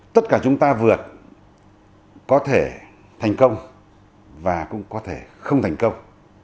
tất cả chúng ta vượt có thể thành công và cũng có thể không thành công